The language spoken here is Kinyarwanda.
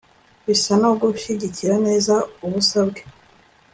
Bisa no gushyigikira neza ubusa bwe